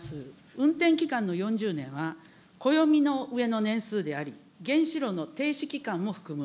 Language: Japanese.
運転期間の４０年は、暦の上の年数であり、原子炉の停止期間も含む。